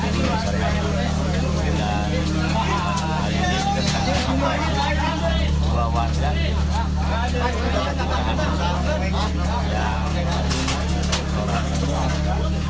masa hujan ini besar lagi dan hari ini kita sekarang sampai di bawah dan kita akan mencari satu orang yang sudah terhubungan